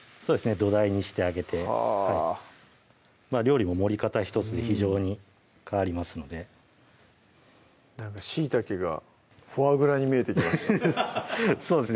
土台にしてあげてはぁ料理も盛り方ひとつで非常に変わりますのでなんかしいたけがフォアグラに見えてきましたそうですね